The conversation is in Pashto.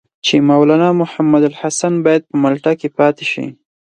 چې مولنا محمودالحسن باید په مالټا کې پاتې شي.